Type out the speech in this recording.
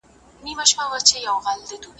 څنګه کولای سو کډوال د خپلو ګټو لپاره وکاروو؟